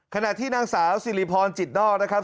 ขณะที่นางสาวสิริพรจิตนอกนะครับ